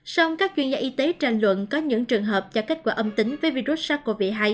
song các chuyên gia y tế tranh luận có những trường hợp cho kết quả âm tính với virus sars cov hai